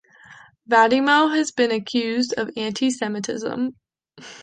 Vattimo has been accused of anti-semitism.